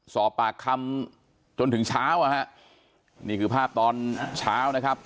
สอบปากคำจนถึงเช้าอ่ะฮะนี่คือภาพตอนเช้านะครับ